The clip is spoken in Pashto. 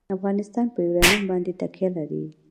افغانستان په یورانیم باندې تکیه لري.